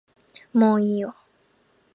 もういいよ